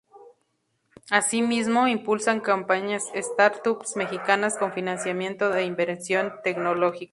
Asimismo, impulsan "compañías startups" mexicanas con financiamiento e inversión tecnológica.